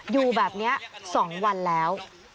อยู่แบบนี้๒วันแล้ว